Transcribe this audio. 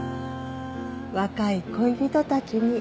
若い恋人たちに。